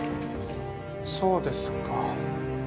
そうですか。